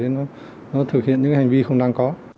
nó thực hiện những hành vi không đáng có